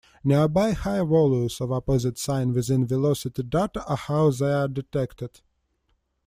Nearby high values of opposite sign within velocity data are how they are detected.